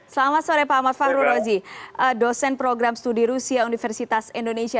selamat sore pak ahmad fahru rozi dosen program studi rusia universitas indonesia